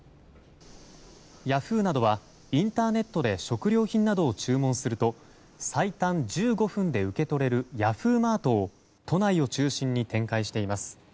ヤフーなどはインターネットで食料品などを注文すると最短１５分で受け取れるＹａｈｏｏ！マートを都内を中心に展開しています。